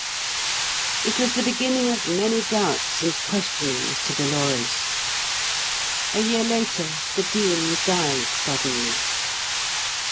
It was the beginning of many doubts and questionings to Dolores. A year later, the Dean died suddenly.